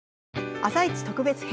「あさイチ特別編」